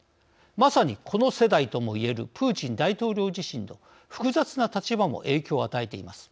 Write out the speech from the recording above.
まさにこの世代ともいえるプーチン大統領自身の複雑な立場も影響を与えています。